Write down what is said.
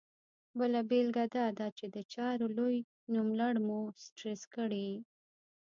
بله بېلګه دا ده چې د چارو لوی نوملړ مو سټرس کړي.